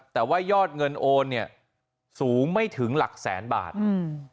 แต่ว่ายอดเงินโอนเนี่ยสูงไม่ถึงหลักแสนบาทอืม